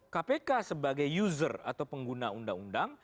kpk sebagai user atau pengguna undang undang